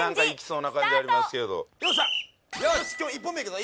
よし１本目いくぞ